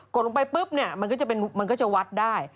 ดลงไปปุ๊บเนี่ยมันก็จะวัดได้